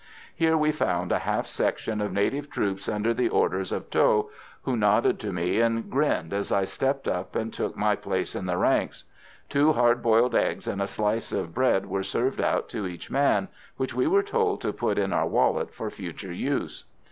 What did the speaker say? Here we found a half section of native troops under the orders of Tho, who nodded to me and grinned as I stepped up and took my place in the ranks. Two hard boiled eggs and a slice of bread were served out to each man, which we were told to put in our wallet for future use.